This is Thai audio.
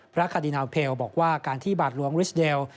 คดีนาวเพลบอกว่าการที่บาทหลวงริสเดล